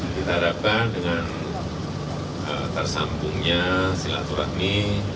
kita harapkan dengan tersambungnya silaturahmi